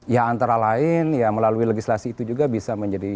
ya antara lain ya melalui legislasi itu juga bisa menjadi